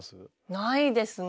ないですね。